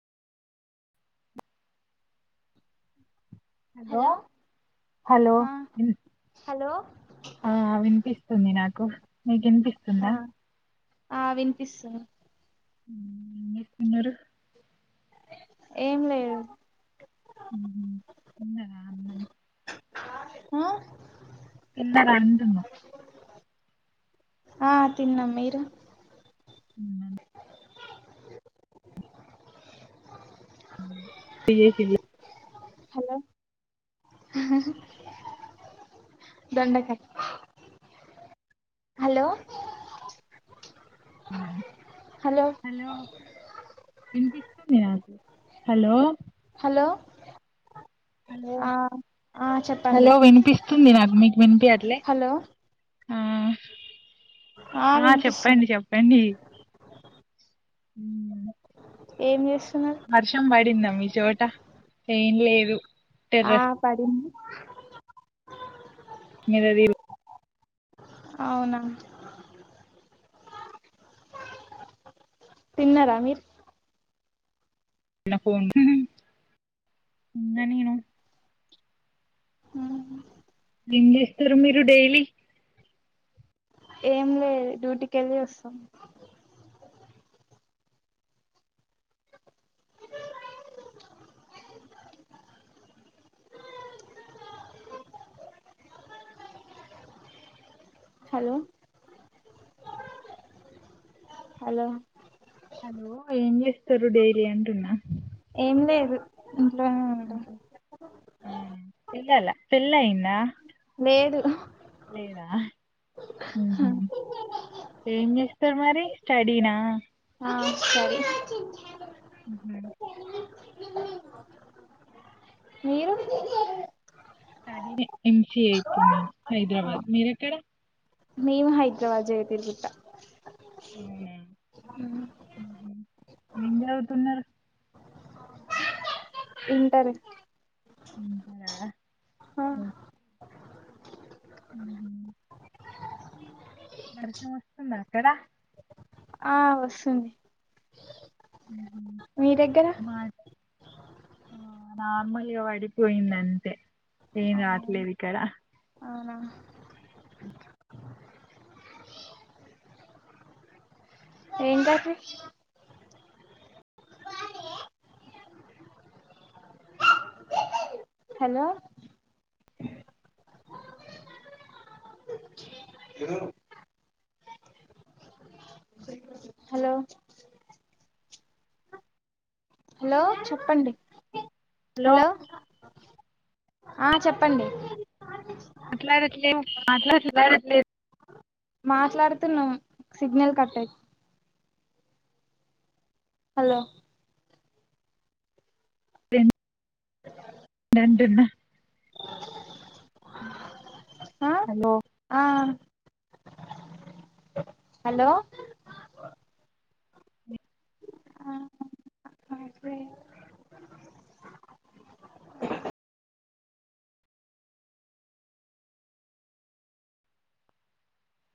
Hello hello hello ఆ వినిపిస్తుంది నాకు మీకి వినిపిస్తుందా ఆ వినిపిస్తుంది హ్మ్ ఏం చేత్తున్నారు ఏం లేవు మ్మ్ తిన్నారా అన్నం ఆ తిన్నారా అంటున్న ఆ తిన్నం మీరు తిన్నం [inaudible] హలో దొండకాయ్ హలో హలో వినిపిస్తుంది నాకి హలో ఆ ఆ చెప్పండి హలో వినిపిస్తుంది నాకు మీకు వినిపియట్ల హలో ఆ చెప్పండి చెప్పండి మ్మ్ ఏం చేసు వర్షం బడింద మీ చోట ఆ టెర్రస్ పడింది మరరిల్ అవునా తిన్నారా మీరు తిన్నా నిను అవును ఏం చేస్తారు మీరు డైలీ ఏం లేదు డ్యూటీకి వెళ్ళి వస్తాం హలో హలో హలో ఏం చేస్తారు డైలీ అంటున్నా ఏం లేదు ఇంట్లోనే ఉంటాం అవున పిల్లల్ల పెళ్ళి అయింద్ అ ఏడు లేదా ఏం చేస్తారు మరి స్టడీనా ఆ స్టడీ ఉహు మీరు స్టడీనే ఎంసీఏ ఇప్పుడు నేను హైదరాబాద్ మీరెక్కడ నేను హైదరాబాద్ జరితర్బిట్టా [unintelligible] ఏం చదువుతున్నారు ఇంటర్ ఇంటర్ ఆ ఆ వర్షం వస్తుందా అక్కడ. ఆ వస్తుంది ఉమ్మ్ మీ దగ్గర మా ఆ నార్మల్గా పడిపోయింది అంతే ఏన్ రాట్లే ఇక్కడ అవునా ఏం కర్రీ హలో హలో హలో చెప్పండి హలో ఆ చెప్పండి మాట్లాడుట్లే మాట్లాడుతులాట్లే మాట్లాడుతున్నాం సిగ్నల్ కట్ హలో వి నంటున్నా అ హలో ఆ ఆ హలో [inaudible]